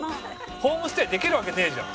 ホームステイできるわけねえじゃん。